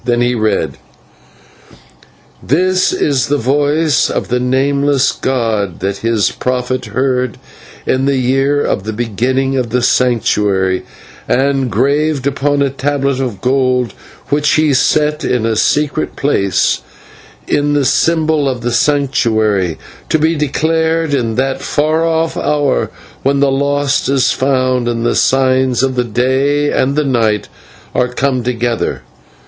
Then he read: "This is the voice of the Nameless god that his prophet heard in the year of the building of the Sanctuary, and graved upon a tablet of gold which he set in a secret place in the symbol of the Sanctuary, to be declared in that far off hour when the lost is found and the signs of the Day and the Night are come together.